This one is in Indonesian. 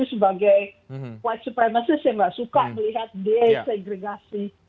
itu sebagai white supremacist yang nggak suka melihat desegregasi